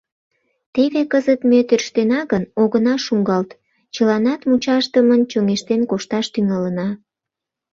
Теве кызыт ме тӧрштена гын, огына шуҥгалт, чыланат мучашдымын чоҥештен кошташ тӱҥалына».